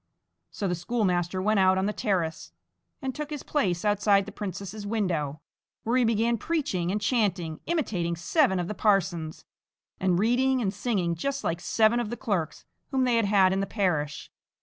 So the schoolmaster went out on the terrace, and took his place outside the princess's window, where he began preaching and chanting imitating seven of the parsons, and reading and singing just like seven of the clerks whom they had had in the parish.